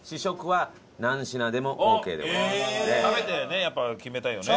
食べてねやっぱ決めたいよね。